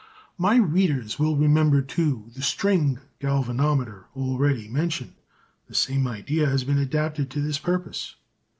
My readers will remember, too, the "String Galvanometer" already mentioned. The same idea has been adapted to this purpose.